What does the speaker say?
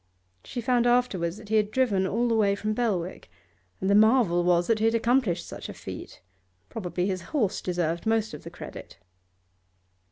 She found afterwards that he had driven all the way from Belwick, and the marvel was that he had accomplished such a feat; probably his horse deserved most of the credit.